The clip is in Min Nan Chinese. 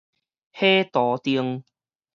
火杜定